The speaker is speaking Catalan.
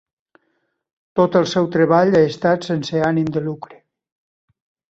Tot el seu treball ha estat sense ànim de lucre.